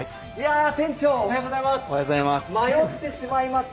店長、おはようございます。